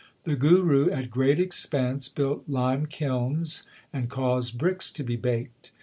The Guru, at great expense, built lime kilns and caused bricks to be baked.